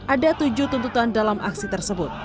ada tujuh tuntutan dalam aksi tersebut